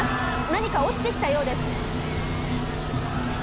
何か落ちてきたようです。